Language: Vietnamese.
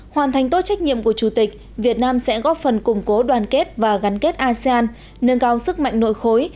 hoàn thành tốt trách nhiệm của chủ tịch việt nam sẽ góp phần củng cố đoàn kết và gắn kết asean nâng cao sức mạnh nội khối